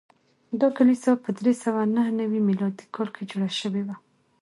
دا کلیسا په درې سوه نهه نوي میلادي کال کې جوړه شوې وه.